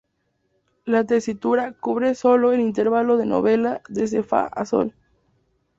La tesitura cubre solo el intervalo de novena, desde fa a sol.